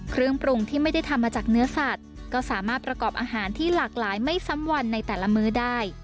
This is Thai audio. เครื่องปรุงที่ไม่ได้ทำมาจากเนื้อสัตว์ก็สามารถประกอบอาหารที่หลากหลายไม่ซ้ำวันในแต่ละมื้อได้